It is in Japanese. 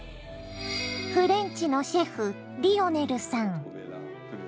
フレンチのシェフリオネルさん。